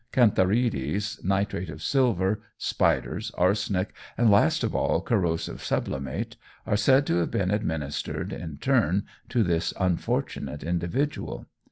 Cantharides, nitrate of silver, spiders, arsenic, and last of all, corrosive sublimate, are said to have been administered in turn to this unfortunate individual.